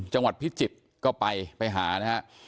จังหวัดพิจิตรก็ไปไปหานะครับ